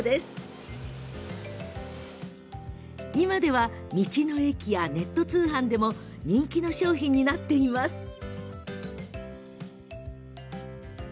今では道の駅やネット通販でも人気の商品になっています。